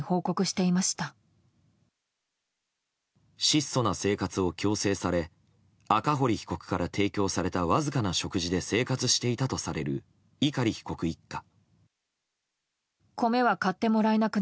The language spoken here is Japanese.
質素な生活を強制され赤堀被告から提供されたわずかな食事で生活していたとされる碇被告一家。